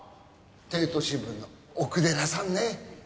帝都新聞の奥寺さんね？